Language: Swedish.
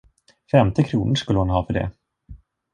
Femtio kronor skulle hon ha för det.